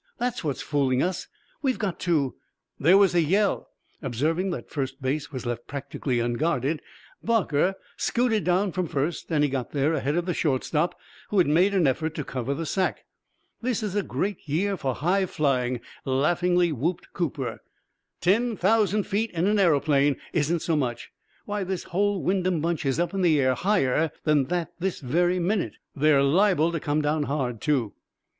That's what's fooling us. We've got to " There was a yell. Observing that second base was left practically unguarded, Barker scooted down from first, and he got there ahead of the shortstop, who made an effort to cover the sack. "This is a great year for high flying," laughingly whooped Cooper. "Ten thousand feet in an aeroplane isn't so much; why, this whole Wyndham bunch is up in the air higher than that this very minute. They're liable to come down hard, too."